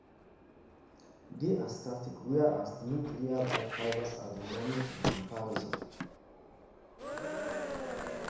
They are static, whereas the nuclear bag fibers are dynamic in comparison.